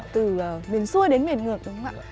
từ miền xuôi đến miền ngược đúng không ạ